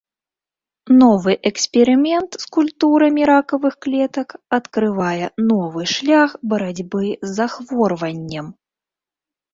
Новы эксперымент з культурамі ракавых клетак адкрывае новы шлях барацьбы з захворваннем.